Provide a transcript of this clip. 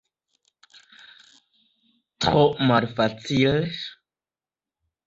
Tro malfacile.